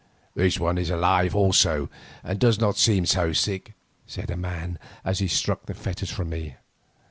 "This one is alive also and does not seem so sick," said a man as he struck the fetters from me.